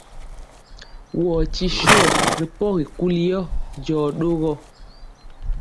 Wɔ ti swɔ ri pɔgi kuli yɔ, jɔ ɗogɔ.